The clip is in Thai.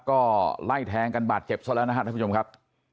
ก็ไล่แทงกันบาดเจ็บซะแล้วนะครับท่านผู้ชมครับ